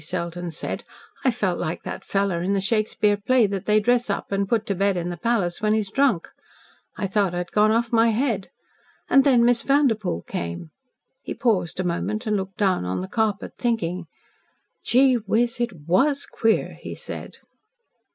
Selden said, "I felt like that fellow in the Shakespeare play that they dress up and put to bed in the palace when he's drunk. I thought I'd gone off my head. And then Miss Vanderpoel came." He paused a moment and looked down on the carpet, thinking. "Gee whiz! It WAS queer," he said.